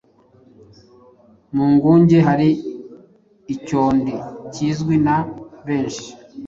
Mu nguge hari icyondi kizwi na benshi